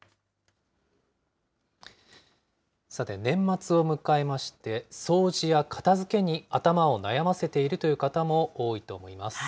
さて、年末を迎えまして、掃除や片づけに頭を悩ませているという方も多いと思います。